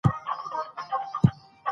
هغه تورې سترګې ترکه